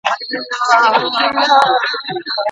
مېوې په ژمي کي نه پخېږي.